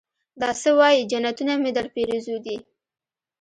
دا سه وايې جنتونه مې درپېرزو دي.